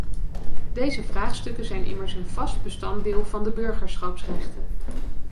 Deze vraagstukken zijn immers een vast bestanddeel van de burgerschapsrechten.